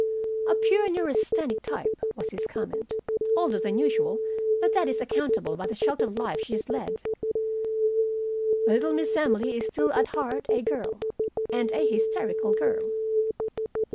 "A pure neurasthenic type," was his comment. "Older than usual, but that is accountable by the sheltered life she has led. The little Miss Emily is still at heart a girl. And a hysterical girl."